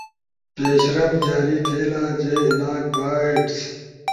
یش رفٹ جاری تھئیلا۔ جے ایناک بائٹس